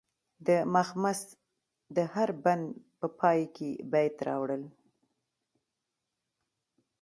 د مخمس د هر بند په پای کې بیت راوړل.